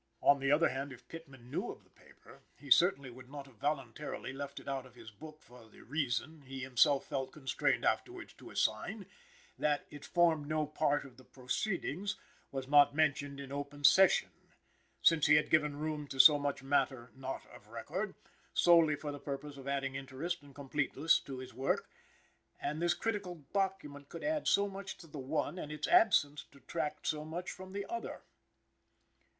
On the other hand, if Pitman knew of the paper, he certainly would not have voluntarily left it out of his book for the reason, he himself felt constrained afterwards to assign, that "it formed no part of the proceedings, was not mentioned in open session;" since he had given room to so much matter, not of record, solely for the purpose of adding interest and completeness to his work, and this critical document could add so much to the one and its absence detract so much from the other.